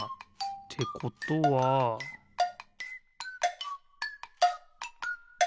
ってことはピッ！